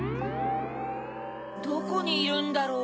どこにいるんだろう？